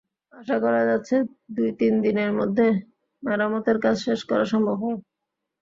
আশা করা যাচ্ছে দুই-তিন দিনের মধ্যে মেরামতের কাজ শেষ করা সম্ভব হবে।